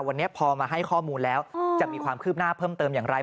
วันนี้พอมาให้ข้อมูลแล้วจะมีความคืบหน้าเพิ่มเติมอย่างไร